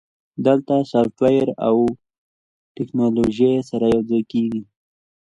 دلته سافټویر او ټیکنالوژي سره یوځای کیږي.